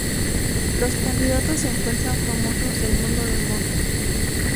Los candidatos encuentran famosos del mundo de moda.